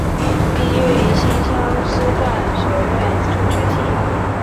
毕业于新乡师范学院数学系。